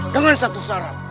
dengan satu syarat